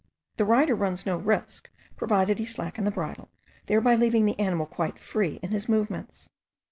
The rider runs no risk, provided he slacken the bridle, thereby leaving the animal quite free in his movements.